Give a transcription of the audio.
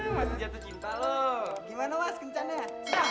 masih jatuh cinta loh gimana mas kencannya